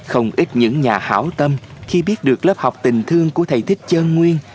không ít những nhà hảo tâm khi biết được lớp học tình thương của thầy thích chơn nguyên